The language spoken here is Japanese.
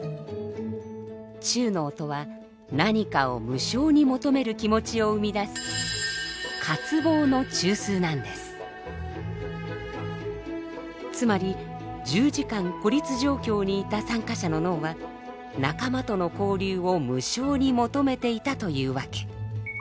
中脳とは何かを無性に求める気持ちを生み出すつまり１０時間孤立状況にいた参加者の脳は仲間との交流を無性に求めていたというわけ。